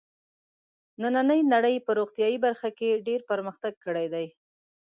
نننۍ نړۍ په روغتیايي برخه کې ډېر پرمختګ کړی دی.